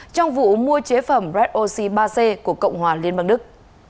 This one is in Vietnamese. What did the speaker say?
trong vụ mua chế phẩm red oxy ba c của cộng hòa liên bang đức